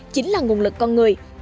chính là nguồn lực con người